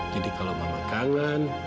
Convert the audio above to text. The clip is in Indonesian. jadi kalau mama kangen